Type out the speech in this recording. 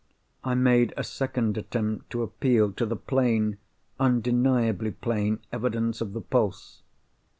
I made a second attempt to appeal to the plain, undeniably plain, evidence of the pulse.